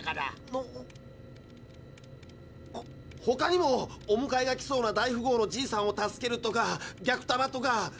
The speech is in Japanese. ほかにもお迎えが来そうな大富豪のジイさんを助けるとか逆タマとか。